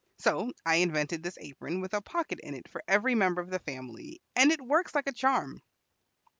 So I invented this apron with a pocket in it for every member of the family, and it works like a charm.